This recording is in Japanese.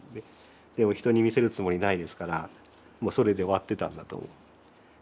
でも人に見せるつもりないですからもうそれで終わってたんだと思う。